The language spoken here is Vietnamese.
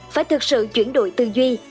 phải thực sự chuyển đổi tư duy